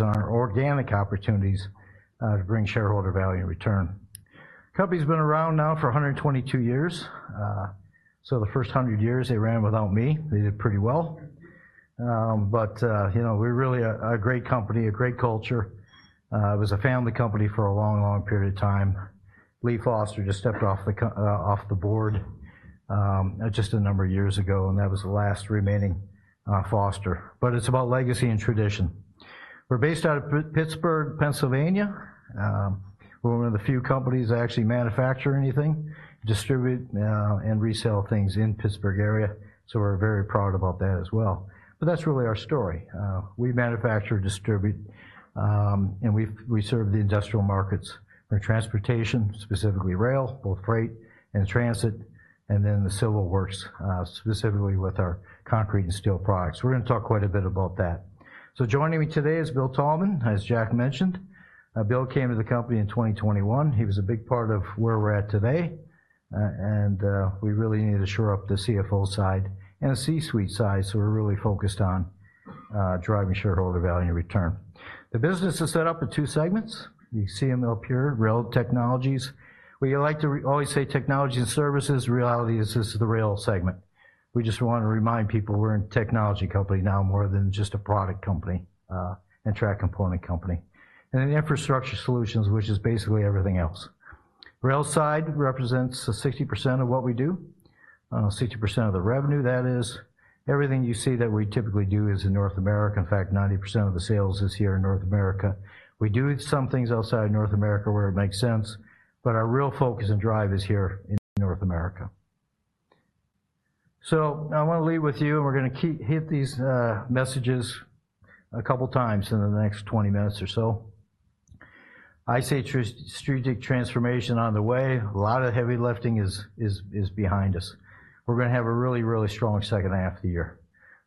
on our organic opportunities to bring shareholder value and return. Company's been around now for 122 years. So the first hundred years they ran without me. They did pretty well. But you know, we're really a great company, a great culture. It was a family company for a long, long period of time. Lee Foster just stepped off the board just a number of years ago, and that was the last remaining Foster. But it's about legacy and tradition. We're based out of Pittsburgh, Pennsylvania. We're one of the few companies that actually manufacture anything, distribute, and resell things in Pittsburgh area, so we're very proud about that as well. But that's really our story. We manufacture, distribute, and we serve the industrial markets and transportation, specifically rail, both freight and transit, and then the civil works, specifically with our concrete and steel products. We're gonna talk quite a bit about that. So joining me today is Bill Thalman, as Jack mentioned. Bill came to the company in twenty twenty-one. He was a big part of where we're at today, and we really needed to shore up the CFO side and the C-suite side, so we're really focused on driving shareholder value and return. The business is set up in two segments, the Rail Products, Rail Technologies. We like to always say technology and services, reality is this is the rail segment. We just want to remind people we're a technology company now, more than just a product company, and track component company. Then Infrastructure Solutions, which is basically everything else. Rail side represents 60% of what we do, 60% of the revenue, that is. Everything you see that we typically do is in North America. In fact, 90% of the sales is here in North America. We do some things outside North America where it makes sense, but our real focus and drive is here in North America. So I want to leave with you, and we're gonna keep hitting these messages a couple of times in the next 20 minutes or so. I say true strategic transformation on the way. A lot of heavy lifting is behind us. We're gonna have a really, really strong second half of the year.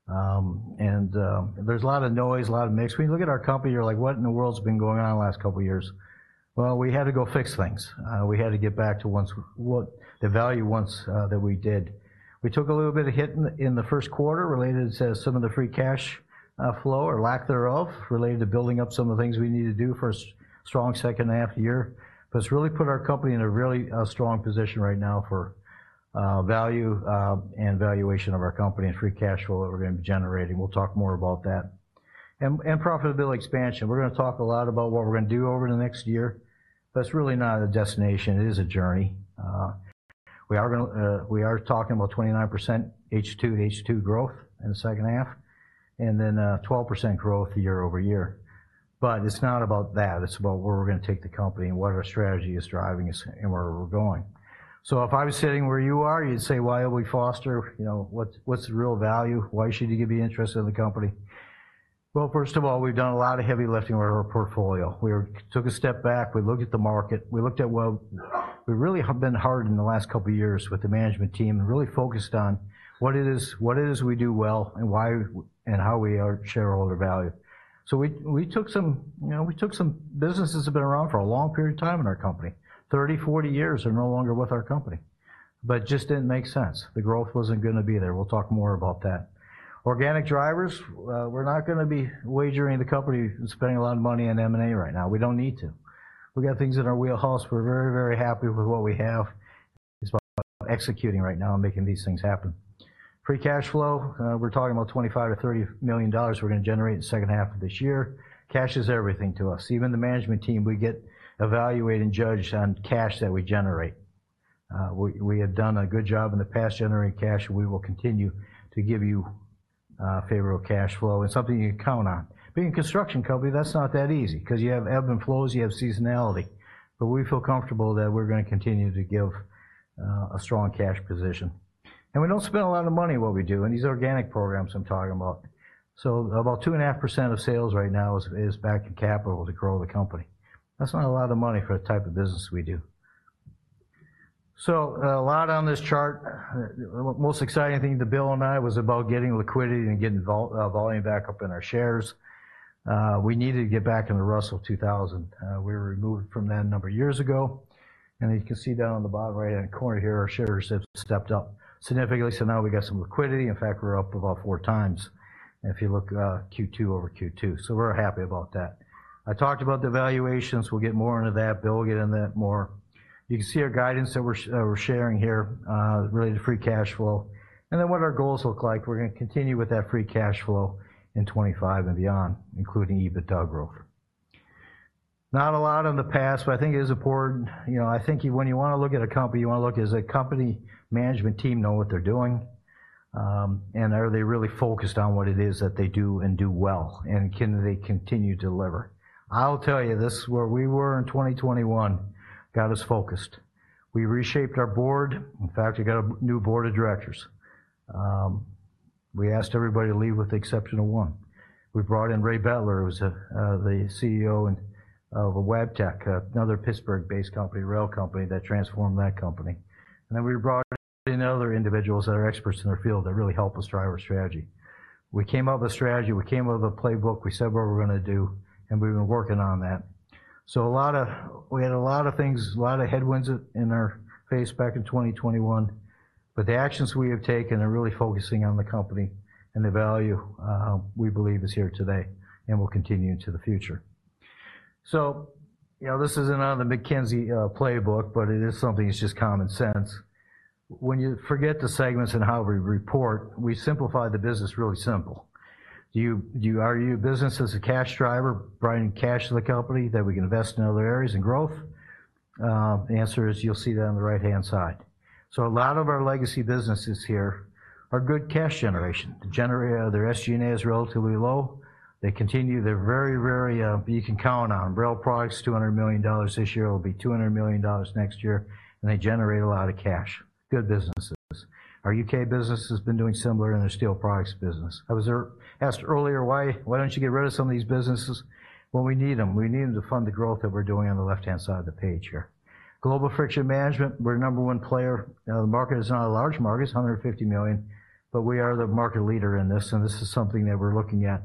And there's a lot of noise, a lot of mix. When you look at our company, you're like, "What in the world has been going on in the last couple of years?" We had to go fix things. We had to get back to what the value once that we did. We took a little bit of hit in the first quarter related to some of the free cash flow, or lack thereof, related to building up some of the things we need to do for a strong second half of the year, but it's really put our company in a really strong position right now for value and valuation of our company and free cash flow that we're gonna be generating. We'll talk more about that, and profitability expansion. We're gonna talk a lot about what we're gonna do over the next year. That's really not a destination, it is a journey. We are gonna talk about 29% H2 to H2 growth in the second half, and then, 12% growth year over year. But it's not about that, it's about where we're gonna take the company and what our strategy is driving us and where we're going. So if I was sitting where you are, you'd say: Why are we Foster? You know, what's, what's the real value? Why should you be interested in the company? Well, first of all, we've done a lot of heavy lifting with our portfolio. We took a step back, we looked at the market, we looked at what we really have been working hard in the last couple of years with the management team, and really focused on what it is, what it is we do well, and why, and how we are shareholder value. So we took some, you know, businesses have been around for a long period of time in our company. Thirty, forty years are no longer with our company, but just didn't make sense. The growth wasn't gonna be there. We'll talk more about that. Organic drivers, we're not gonna be wagering the company and spending a lot of money on M&A right now. We don't need to. We got things in our wheelhouse. We're very, very happy with what we have. It's about executing right now and making these things happen. Free cash flow, we're talking about $25 million-$30 million we're gonna generate in the second half of this year. Cash is everything to us. Even the management team, we get evaluated and judged on cash that we generate. We have done a good job in the past generating cash, and we will continue to give you favorable cash flow. It's something you can count on. Being a construction company, that's not that easy, 'cause you have ebbs and flows, you have seasonality. But we feel comfortable that we're gonna continue to give a strong cash position. We don't spend a lot of money, what we do, in these organic programs I'm talking about. So about 2.5% of sales right now is back in capital to grow the company. That's not a lot of money for the type of business we do. So a lot on this chart, the most exciting thing to Bill and I was about getting liquidity and getting volume back up in our shares. We needed to get back in the Russell 2000. We were removed from that a number of years ago, and you can see down on the bottom right-hand corner here, our shares have stepped up significantly, so now we got some liquidity. In fact, we're up about four times, if you look, Q2 over Q2. So we're happy about that. I talked about the valuations. We'll get more into that. Bill will get into that more. You can see our guidance that we're sharing here, related to free cash flow, and then what our goals look like. We're gonna continue with that free cash flow in 2025 and beyond, including EBITDA growth. Not a lot in the past, but I think it is important. You know, I think you, when you want to look at a company, you want to look, does a company management team know what they're doing? And are they really focused on what it is that they do and do well, and can they continue to deliver? I'll tell you, this is where we were in 2021, got us focused. We reshaped our board. In fact, we got a new board of directors. We asked everybody to leave with the exception of one. We brought in Ray Betler, who's the CEO of Wabtec, another Pittsburgh-based company, rail company, that transformed that company. And then we brought in other individuals that are experts in their field that really help us drive our strategy. We came up with a strategy, we came up with a playbook, we said what we're gonna do, and we've been working on that. So we had a lot of things, a lot of headwinds in our face back in 2021, but the actions we have taken are really focusing on the company, and the value we believe is here today and will continue into the future. So, you know, this isn't on the McKinsey playbook, but it is something that's just common sense. When you forget the segments and how we report, we simplify the business really simple. Do you, are your businesses as a cash driver, bringing cash to the company that we can invest in other areas and growth? The answer is, you'll see that on the right-hand side. So a lot of our legacy businesses here are good cash generation. To generate their SG&A is relatively low. They continue. They're very, very, you can count on. Rail Products, $200 million this year, will be $200 million next year, and they generate a lot of cash. Good businesses. Our UK business has been doing similar in the steel products business. I was asked earlier, why don't you get rid of some of these businesses? Well, we need them. We need them to fund the growth that we're doing on the left-hand side of the page here. Global Friction Management, we're number one player. Now, the market is not a large market; it's $150 million, but we are the market leader in this, and this is something that we're looking at.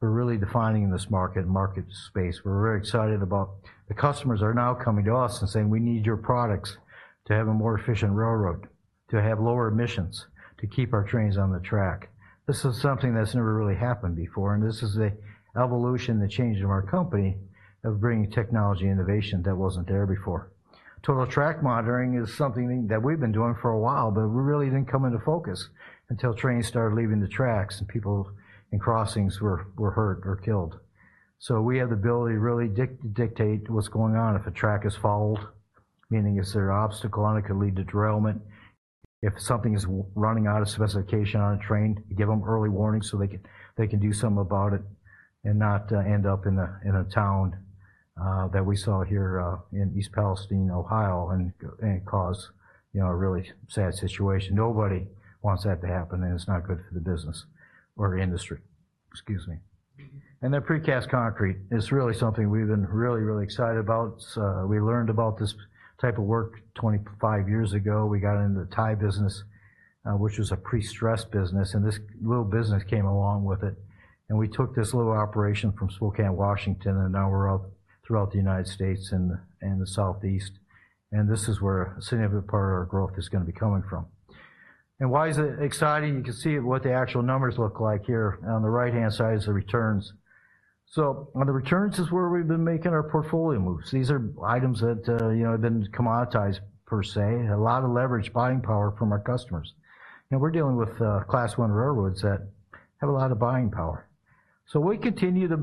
We're really defining this market and market space. We're very excited about... The customers are now coming to us and saying: "We need your products to have a more efficient railroad, to have lower emissions, to keep our trains on the track." This is something that's never really happened before, and this is an evolution, the change in our company, of bringing technology innovation that wasn't there before. Total Track Monitoring is something that we've been doing for a while, but we really didn't come into focus until trains started leaving the tracks, and people in crossings were hurt or killed. So we have the ability to really dictate what's going on. If a track is fouled, meaning is there an obstacle on it, could lead to derailment. If something is running out of specification on a train, you give them early warning so they can do something about it, and not end up in a town that we saw here in East Palestine, Ohio, and cause you know a really sad situation. Nobody wants that to happen, and it's not good for the business or industry. Excuse me, and the Precast Concrete is really something we've been really, really excited about. We learned about this type of work 25 years ago. We got into the tie business, which was a pre-stress business, and this little business came along with it, and we took this little operation from Spokane, Washington, and now we're all throughout the United States and the Southeast. And this is where a significant part of our growth is gonna be coming from. And why is it exciting? You can see what the actual numbers look like here. On the right-hand side is the returns. So on the returns is where we've been making our portfolio moves. These are items that, you know, have been commoditized per se, and a lot of leverage buying power from our customers. And we're dealing with Class I railroads that have a lot of buying power. So we continue to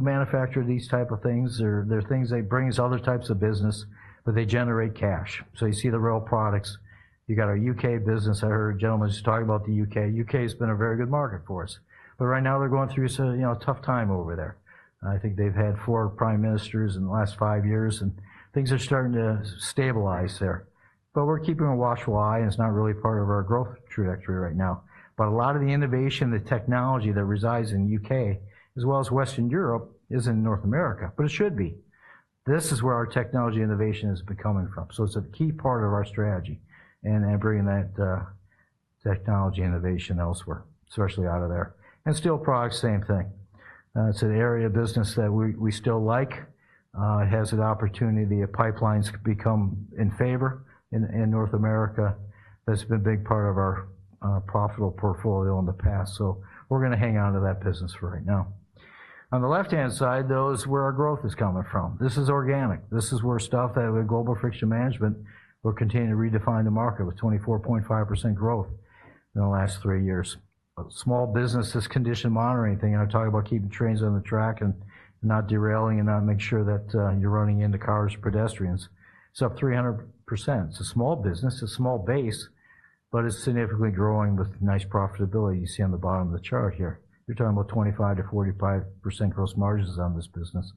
manufacture these type of things. They're things that bring us other types of business, but they generate cash. So you see the rail products. You got our U.K. business. I heard a gentleman just talking about the U.K. U.K. has been a very good market for us, but right now they're going through a, you know, tough time over there. I think they've had four prime ministers in the last five years, and things are starting to stabilize there. But we're keeping a watch why, and it's not really part of our growth trajectory right now. But a lot of the innovation, the technology that resides in U.K., as well as Western Europe, is in North America, but it should be. This is where our technology innovation is becoming from. So it's a key part of our strategy and bringing that technology innovation elsewhere, especially out of there. Steel products, same thing. It's an area of business that we still like. It has an opportunity if pipelines become in favor in North America. That's been a big part of our profitable portfolio in the past, so we're gonna hang on to that business for right now. On the left-hand side, though, is where our growth is coming from. This is organic. This is where stuff out of the Global Friction Management will continue to redefine the market with 24.5% growth in the last three years. Small businesses, condition monitoring thing, and I talk about keeping trains on the track and not derailing and not make sure that you're running into cars, pedestrians. It's up 300%. It's a small business, it's a small base, but it's significantly growing with nice profitability. You see on the bottom of the chart here, you're talking about 25%-45% gross margins on this business.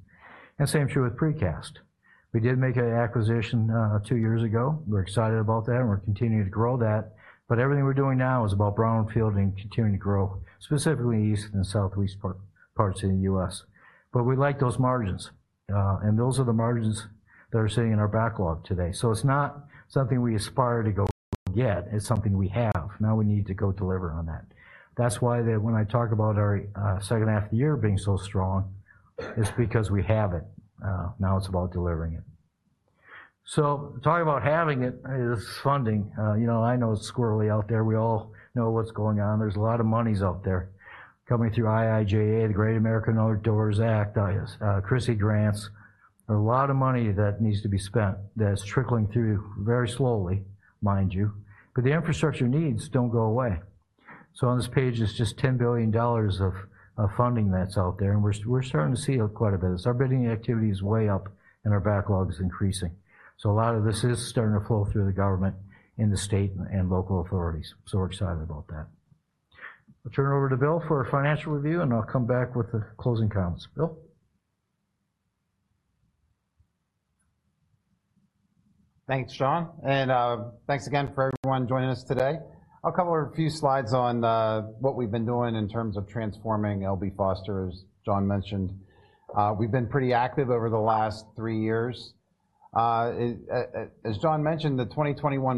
And same true with Precast. We did make an acquisition, two years ago. We're excited about that, and we're continuing to grow that, but everything we're doing now is about brownfielding, continuing to grow, specifically in the East and Southeast part, parts of the U.S. But we like those margins, and those are the margins that are sitting in our backlog today. So it's not something we aspire to go get, it's something we have. Now we need to go deliver on that. That's why that when I talk about our second half of the year being so strong, it's because we have it. Now it's about delivering it. So talking about having it is funding. You know, I know it's squirrely out there. We all know what's going on. There's a lot of monies out there coming through IIJA, the Great American Outdoors Act, CRISI grants. There are a lot of money that needs to be spent that is trickling through very slowly, mind you, but the infrastructure needs don't go away. On this page, it's just $10 billion of funding that's out there, and we're starting to see it quite a bit. Our bidding activity is way up, and our backlog is increasing. A lot of this is starting to flow through the government and the state and local authorities. We're excited about that. I'll turn it over to Bill for a financial review, and I'll come back with the closing comments. Bill? Thanks, John, and thanks again for everyone joining us today. A few slides on what we've been doing in terms of transforming L.B. Foster, as John mentioned. The 2021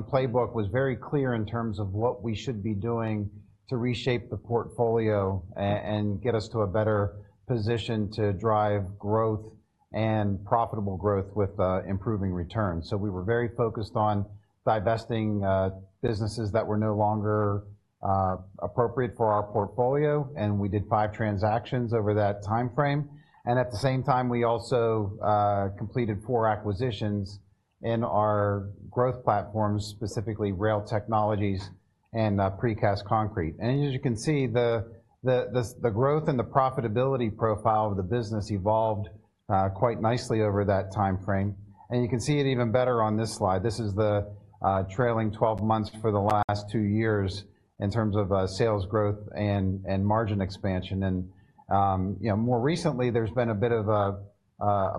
playbook was very clear in terms of what we should be doing to reshape the portfolio and get us to a better position to drive growth and profitable growth with improving returns. So we were very focused on divesting businesses that were no longer appropriate for our portfolio, and we did five transactions over that timeframe. And at the same time, we also completed four acquisitions in our growth platforms, specifically rail technologies and precast concrete. And as you can see, the growth and the profitability profile of the business evolved quite nicely over that timeframe, and you can see it even better on this slide. This is the trailing twelve months for the last two years in terms of sales growth and margin expansion. You know, more recently, there's been a bit of a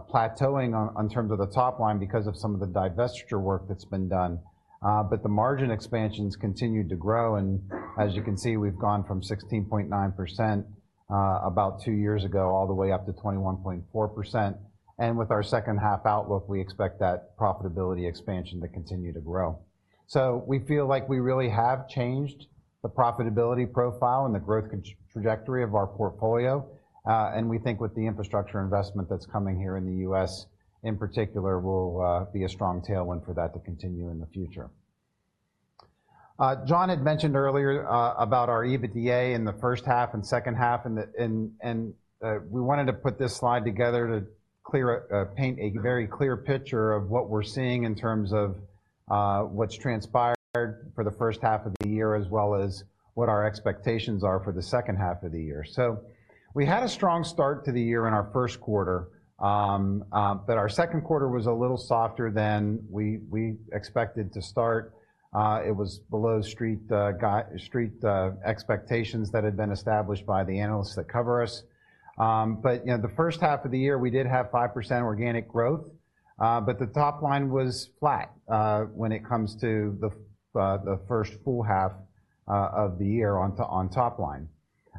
plateauing on terms of the top line because of some of the divestiture work that's been done. But the margin expansions continued to grow, and as you can see, we've gone from 16.9% about two years ago, all the way up to 21.4%. And with our second half outlook, we expect that profitability expansion to continue to grow. So we feel like we really have changed the profitability profile and the growth trajectory of our portfolio, and we think with the infrastructure investment that's coming here in the U.S., in particular, will be a strong tailwind for that to continue in the future. John had mentioned earlier about our EBITDA in the first half and second half, and we wanted to put this slide together to paint a very clear picture of what we're seeing in terms of what's transpired for the first half of the year, as well as what our expectations are for the second half of the year. So we had a strong start to the year in our first quarter, but our second quarter was a little softer than we expected to start. It was below Street guidance expectations that had been established by the analysts that cover us. But, you know, the first half of the year, we did have 5% organic growth, but the top line was flat when it comes to the first half of the year on top line.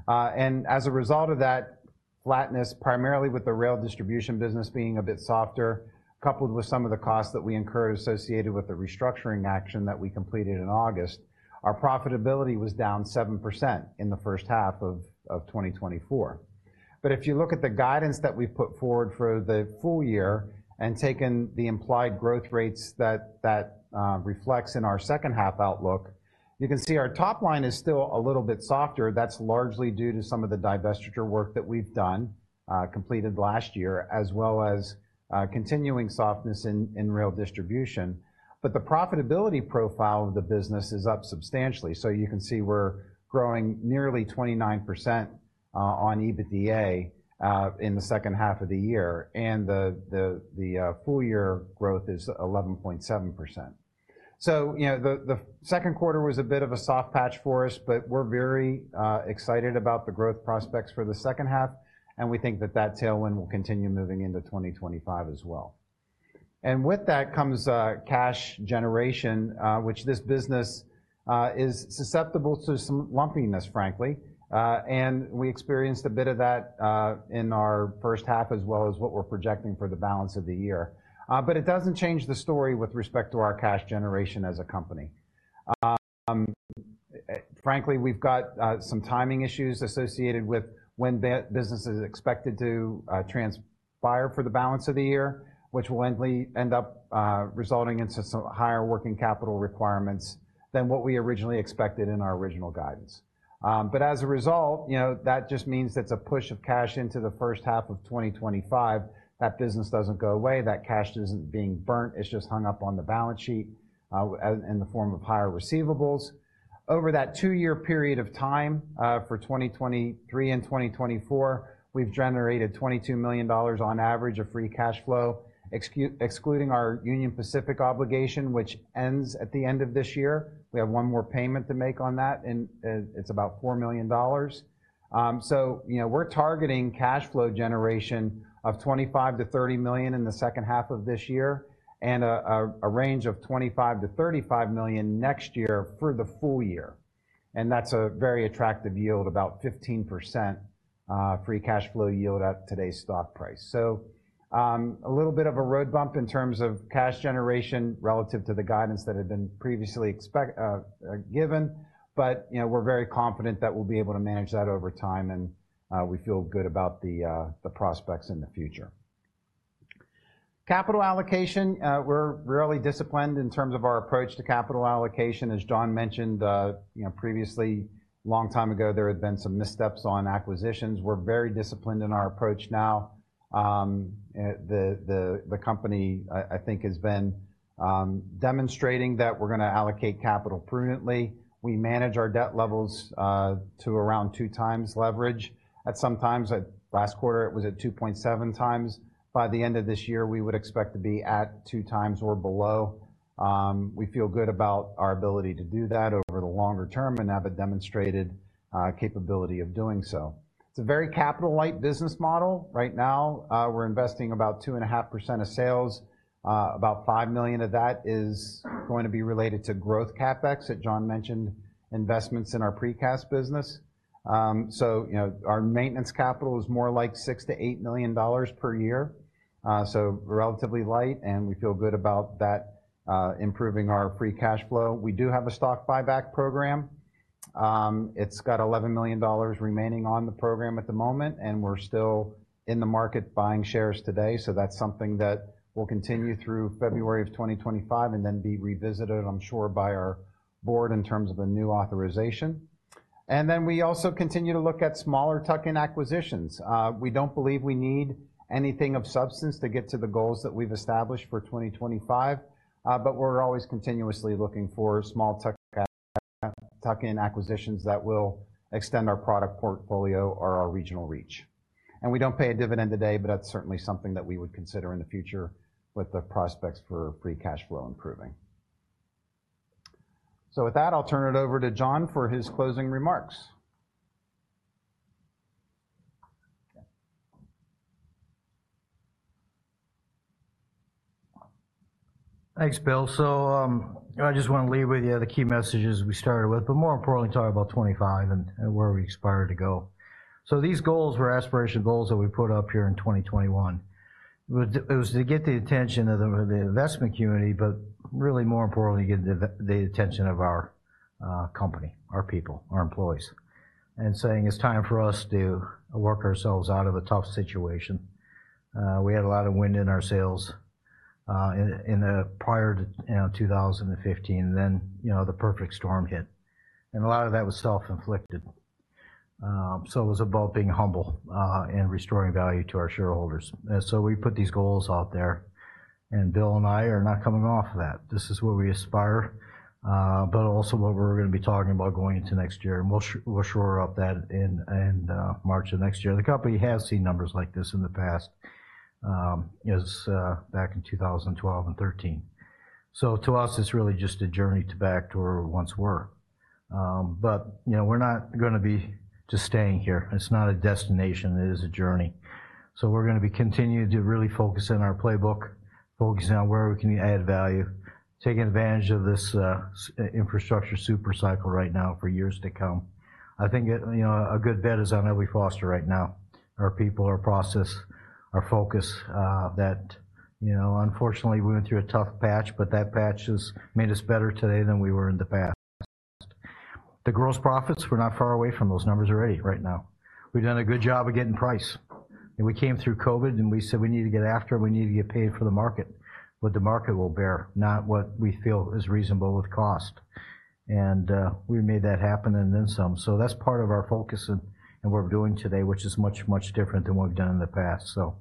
And as a result of that flatness, primarily with the rail distribution business being a bit softer, coupled with some of the costs that we incurred associated with the restructuring action that we completed in August, our profitability was down 7% in the first half of 2024. But if you look at the guidance that we've put forward for the full year and taken the implied growth rates that reflects in our second half outlook, you can see our top line is still a little bit softer. That's largely due to some of the divestiture work that we've done, completed last year, as well as continuing softness in rail distribution. But the profitability profile of the business is up substantially. So you can see we're growing nearly 29% on EBITDA in the second half of the year, and the full year growth is 11.7%. You know, the second quarter was a bit of a soft patch for us, but we're very excited about the growth prospects for the second half, and we think that that tailwind will continue moving into twenty twenty-five as well. With that comes cash generation, which this business is susceptible to some lumpiness, frankly. We experienced a bit of that in our first half, as well as what we're projecting for the balance of the year. It doesn't change the story with respect to our cash generation as a company. Frankly, we've got some timing issues associated with when the business is expected to transpire for the balance of the year, which will end up resulting in some higher working capital requirements than what we originally expected in our original guidance. But as a result, you know, that just means that's a push of cash into the first half of 2025. That business doesn't go away. That cash isn't being burnt. It's just hung up on the balance sheet in the form of higher receivables. Over that two-year period of time for 2023 and 2024, we've generated $22 million, on average, of free cash flow, excluding our Union Pacific obligation, which ends at the end of this year. We have one more payment to make on that, and it's about $4 million. So, you know, we're targeting cash flow generation of $25 million-$30 million in the second half of this year, and a range of $25 million-$35 million next year for the full year. And that's a very attractive yield, about 15%, free cash flow yield at today's stock price. So, a little bit of a road bump in terms of cash generation relative to the guidance that had been previously expected, given, but you know, we're very confident that we'll be able to manage that over time, and we feel good about the prospects in the future. Capital allocation. We're really disciplined in terms of our approach to capital allocation. As John mentioned, you know, previously, long time ago, there had been some missteps on acquisitions. We're very disciplined in our approach now. The company, I think, has been demonstrating that we're gonna allocate capital prudently. We manage our debt levels to around two times leverage. At some times, at last quarter, it was at two point seven times. By the end of this year, we would expect to be at two times or below. We feel good about our ability to do that over the longer term and have a demonstrated capability of doing so. It's a very capital-light business model. Right now, we're investing about 2.5% of sales. About $5 million of that is going to be related to growth CapEx that John mentioned, investments in our precast business. So, you know, our maintenance capital is more like $6-$8 million per year. So relatively light, and we feel good about that, improving our free cash flow. We do have a stock buyback program. It's got $11 million remaining on the program at the moment, and we're still in the market buying shares today. So that's something that will continue through February of 2025, and then be revisited, I'm sure, by our board in terms of a new authorization. And then we also continue to look at smaller tuck-in acquisitions. We don't believe we need anything of substance to get to the goals that we've established for 2025, but we're always continuously looking for small tuck-in acquisitions that will extend our product portfolio or our regional reach. And we don't pay a dividend today, but that's certainly something that we would consider in the future with the prospects for free cash flow improving. So with that, I'll turn it over to John for his closing remarks. Thanks, Bill. So, I just wanna leave with you the key messages we started with, but more importantly, talk about 2025 and where we aspire to go. So these goals were aspirational goals that we put up here in 2021. It was to get the attention of the investment community, but really more importantly, get the attention of our company, our people, our employees, and saying, it's time for us to work ourselves out of a tough situation. We had a lot of wind in our sails in the prior to, you know, 2015, then, you know, the perfect storm hit, and a lot of that was self-inflicted. So it was about being humble and restoring value to our shareholders. And so we put these goals out there, and Bill and I are not coming off of that. This is where we aspire, but also what we're gonna be talking about going into next year, and we'll shore up that in March of next year. The company has seen numbers like this in the past, as back in 2012 and 2013. So to us, it's really just a journey to back to where we once were. But you know, we're not gonna be just staying here. It's not a destination, it is a journey. So we're gonna be continuing to really focus in our playbook, focus on where we can add value, taking advantage of this infrastructure super cycle right now for years to come. I think it's, you know, a good bet is on L.B. Foster right now. Our people, our process, our focus, that, you know, unfortunately, we went through a tough patch, but that patch has made us better today than we were in the past. The gross profits, we're not far away from those numbers already right now. We've done a good job of getting price, and we came through COVID, and we said: We need to get after it, we need to get paid for the market, what the market will bear, not what we feel is reasonable with cost. And we made that happen, and then some. So that's part of our focus and what we're doing today, which is much, much different than what we've done in the past. So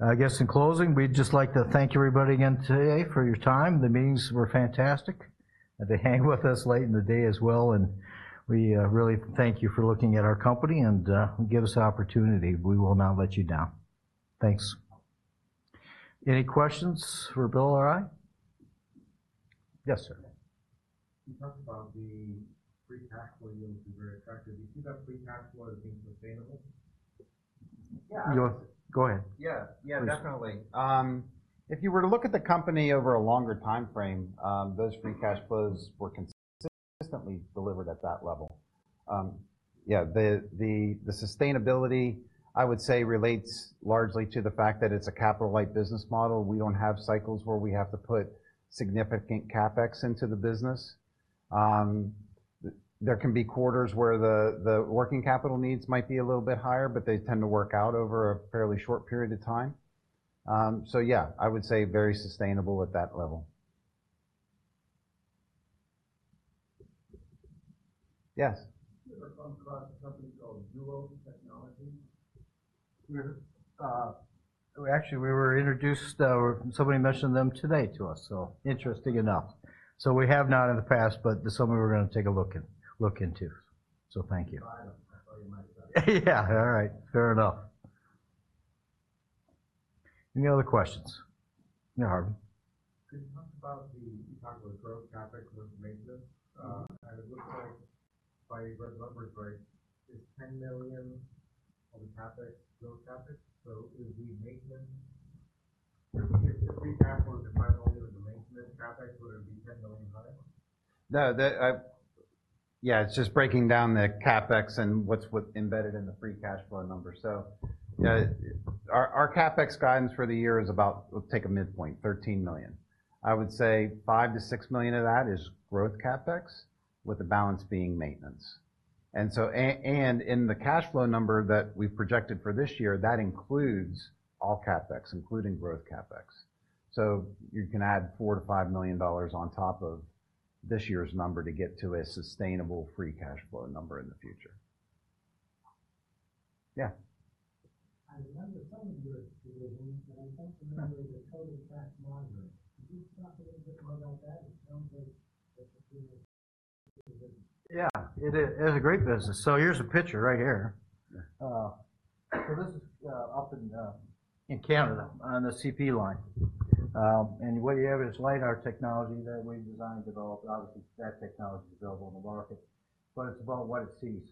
I guess, in closing, we'd just like to thank everybody again today for your time. The meetings were fantastic. They hang with us late in the day as well, and we really thank you for looking at our company and give us the opportunity. We will not let you down. Thanks. Any questions for Bill or I? Yes, sir. You talked about the free cash flow being very effective. Do you see that free cash flow as being sustainable? Yeah- Go ahead. Yeah. Yeah, definitely. If you were to look at the company over a longer time frame, those free cash flows were consistently delivered at that level. Yeah, the sustainability, I would say, relates largely to the fact that it's a capital-light business model. We don't have cycles where we have to put significant CapEx into the business. There can be quarters where the working capital needs might be a little bit higher, but they tend to work out over a fairly short period of time. So yeah, I would say very sustainable at that level. Yes? Have you ever come across a company called Duos Technologies? We're, actually, we were introduced, somebody mentioned them today to us, so interesting enough. So we have not in the past, but just something we're gonna take a look into. So thank you. I thought you might know. Yeah. All right, fair enough. Any other questions? Yeah, Harvey. Could you talk about the... You talked about growth CapEx with maintenance, and it looks like by your numbers, right, it's $10 million of the CapEx, growth CapEx. So is the maintenance, if free cash flow is defined only with the maintenance CapEx, would it be $10 million? No. Yeah, it's just breaking down the CapEx and what's embedded in the free cash flow number. So, our CapEx guidance for the year is about, take a midpoint, $13 million. I would say $5 million to $6 million of that is growth CapEx, with the balance being maintenance. And so, and in the cash flow number that we've projected for this year, that includes all CapEx, including growth CapEx. So you can add $4 million to $5 million on top of this year's number to get to a sustainable free cash flow number in the future. Yeah? I remember some of your divisions, but I don't remember the total EBITDA margin. Can you talk a little bit more about that? It sounds like it's a pretty good division. Yeah, it is. It's a great business. So here's a picture right here. So this is up in Canada on the CP line. And what you have is LiDAR technology that we've designed, developed. Obviously, that technology is available on the market, but it's about what it sees.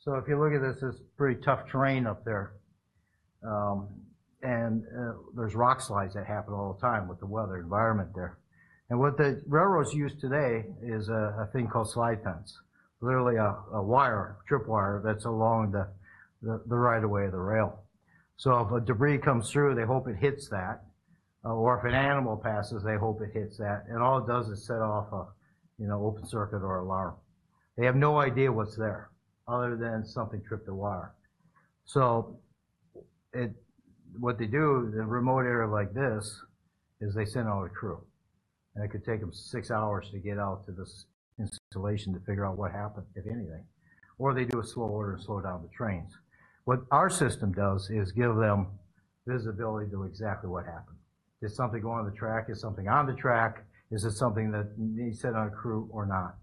So if you look at this, this is pretty tough terrain up there. And there's rockslides that happen all the time with the weather environment there. And what the railroads use today is a thing called slide fence. Literally a wire, trip wire, that's along the right of way of the rail. So if a debris comes through, they hope it hits that, or if an animal passes, they hope it hits that, and all it does is set off a you know, open circuit or alarm. They have no idea what's there other than something tripped the wire. So what they do in a remote area like this is they send out a crew, and it could take them six hours to get out to this installation to figure out what happened, if anything. Or they do a Slow Order and slow down the trains. What our system does is give them visibility to exactly what happened. Is something going on the track? Is something on the track? Is it something that needs sent on a crew or not?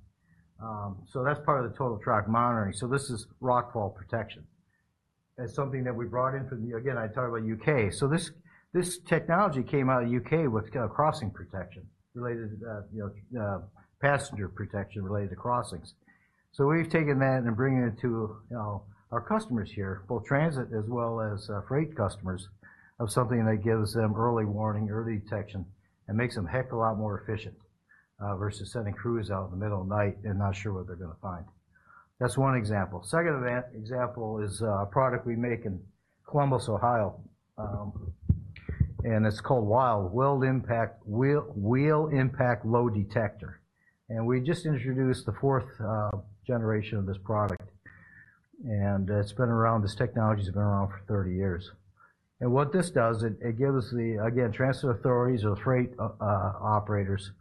So that's part of the Total Track Monitoring. So this is rockfall protection. That's something that we brought in from the... Again, I talked about U.K. So this, this technology came out of U.K. with kind of crossing protection related to the, you know, passenger protection related to crossings. So we've taken that and bringing it to, you know, our customers here, both transit as well as, freight customers, of something that gives them early warning, early detection, and makes them a heck of a lot more efficient, versus sending crews out in the middle of the night and not sure what they're gonna find. That's one example. Second example is a product we make in Columbus, Ohio, and it's called WILD, Wheel Impact Load Detector. And we just introduced the fourth, generation of this product, and it's been around, this technology has been around for 30 years. What this does, it gives the, again, transit authorities or the freight operators,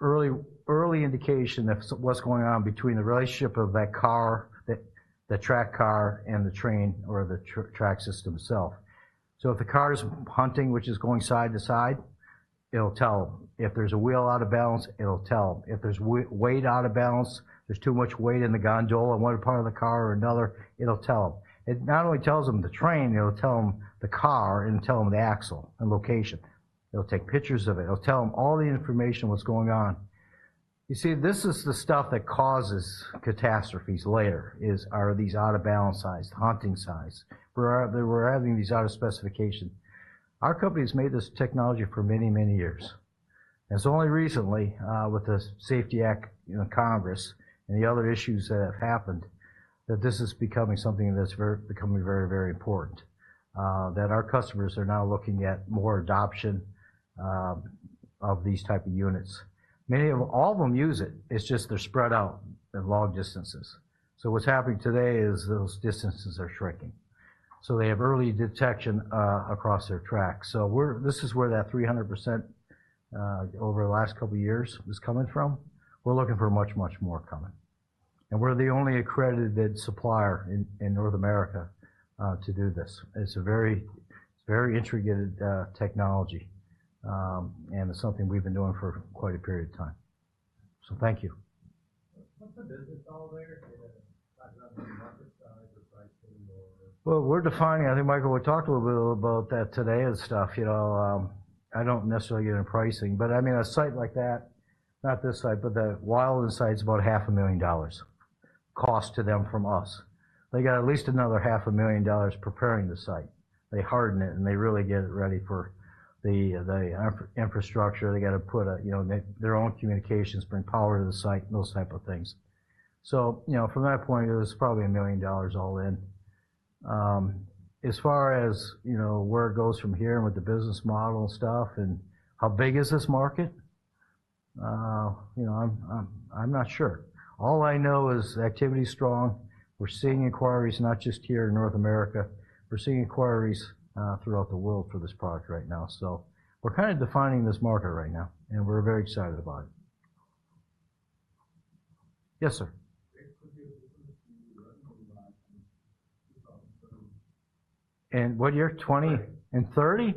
early indication of what's going on between the relationship of that car, the track car and the train, or the track system itself. So if the car is hunting, which is going side to side, it'll tell 'em. If there's a wheel out of balance, it'll tell 'em. If there's weight out of balance, there's too much weight in the gondola in one part of the car or another, it'll tell 'em. It not only tells them the train, it'll tell 'em the car and tell 'em the axle and location. It'll take pictures of it. It'll tell 'em all the information, what's going on. You see, this is the stuff that causes catastrophes later: these out-of-balance sides, hunting sides, where they were having these out of specification. Our company has made this technology for many, many years, and it's only recently, with the Safety Act, you know, Congress and the other issues that have happened, that this is becoming something that's very important, that our customers are now looking at more adoption of these type of units. Many of them, all of them use it, it's just they're spread out in long distances. So what's happening today is those distances are shrinking, so they have early detection across their tracks. So this is where that 300% over the last couple of years is coming from. We're looking for much, much more coming. And we're the only accredited supplier in North America to do this. It's a very integrated technology, and it's something we've been doing for quite a period of time. So thank you. What's the business model there in terms of the market size or pricing or? We're defining. I think Michael would talk a little bit about that today and stuff. You know, I don't necessarily get into pricing, but I mean, a site like that, not this site, but the WILD site is about $500,000, cost to them from us. They got at least another $500,000 preparing the site. They harden it, and they really get it ready for the infrastructure. They got to put, you know, their own communications, bring power to the site, those type of things. You know, from that point of view, it's probably $1 million all in. As far as, you know, where it goes from here with the business model stuff and how big is this market, you know, I'm not sure. All I know is activity is strong. We're seeing inquiries not just here in North America, we're seeing inquiries throughout the world for this product right now. So we're kind of defining this market right now, and we're very excited about it. Yes, sir. And what year? 20 years-30 years.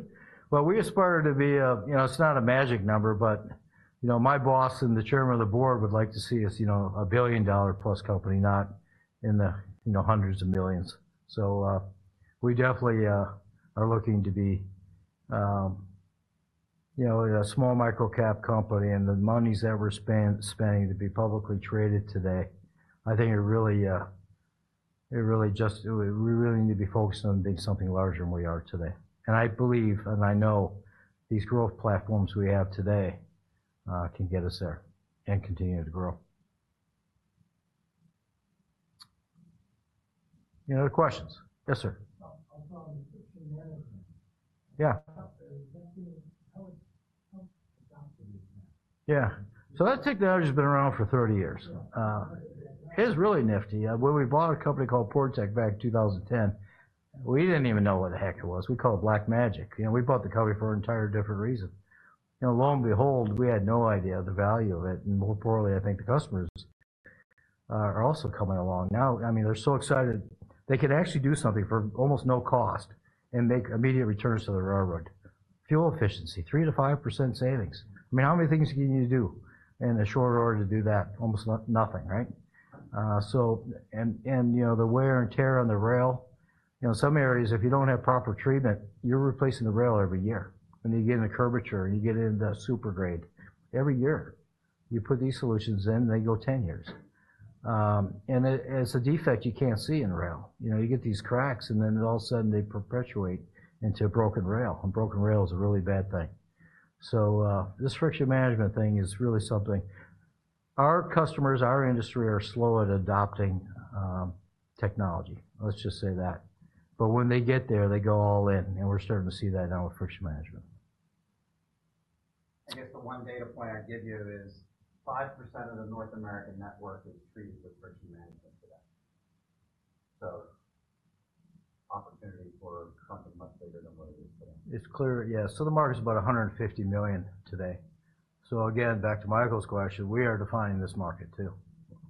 Well, we aspire to be a, you know, it's not a magic number, but, you know, my boss and the chairman of the board would like to see us, you know, a billion-dollar plus company, not in the, you know, hundreds of millions. So, we definitely are looking to be, you know, a small micro-cap company, and the money's that we're spending to be publicly traded today, I think it really, it really just. We really need to be focused on being something larger than we are today. And I believe, and I know, these growth platforms we have today can get us there and continue to grow. Any other questions? Yes, sir. Yeah. Yeah. So that technology has been around for 30 years. Yeah. It's really nifty. When we bought a company called Portec back in 2010, we didn't even know what the heck it was. We called it black magic. You know, we bought the company for an entire different reason. You know, lo and behold, we had no idea of the value of it, and more importantly, I think the customers are also coming along. Now, I mean, they're so excited. They could actually do something for almost no cost and make immediate returns to the railroad. Fuel efficiency, 3%-5% savings. I mean, how many things do you need to do in a short order to do that? Almost nothing, right? So, and, and, you know, the wear and tear on the rail, you know, some areas, if you don't have proper treatment, you're replacing the rail every year. When you get in a curvature, and you get into a super grade, every year. You put these solutions in, they go ten years. And it, it's a defect you can't see in the rail. You know, you get these cracks, and then all of a sudden, they perpetuate into a broken rail, and broken rail is a really bad thing. So, this friction management thing is really something. Our customers, our industry, are slow at adopting, technology. Let's just say that. But when they get there, they go all in, and we're starting to see that now with friction management. I guess the one data point I'd give you is 5% of the North American network is treated with friction management today, so opportunity for something much bigger than what it is today. It's clear, yeah. So the market is about $150 million today. So again, back to Michael's question, we are defining this market too.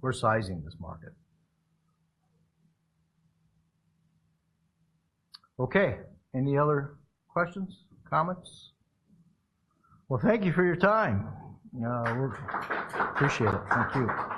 We're sizing this market. Okay, any other questions, comments? Well, thank you for your time. We appreciate it. Thank you.